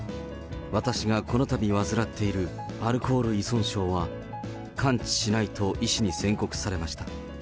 私がこのたび患っている、アルコール依存症は完治しないと医師に宣告されました。